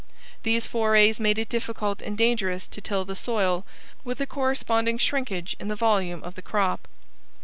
These forays made it difficult and dangerous to till the soil, with a corresponding shrinkage in the volume of the crop.